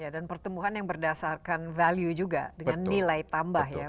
dan pertumbuhan yang berdasarkan value juga dengan nilai tambah ya